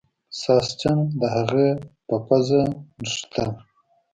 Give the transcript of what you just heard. ساسچن د هغې په پوزه نښتل.